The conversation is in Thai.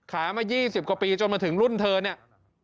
ขายมา๒๐กว่าปีจนมาถึงรุ่นเธอเนี่ย